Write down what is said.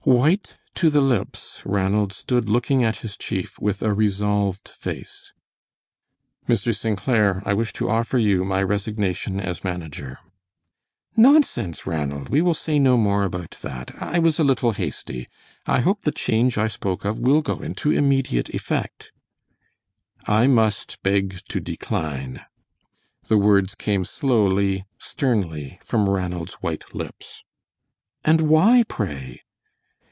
White to the lips, Ranald stood looking at his chief with a resolved face. "Mr. St. Clair, I wish to offer you my resignation as manager." "Nonsense, Ranald, we will say no more about that. I was a little hasty. I hope the change I spoke of will go into immediate effect." "I must beg to decline." The words came slowly, sternly from Ranald's white lips. "And why, pray?"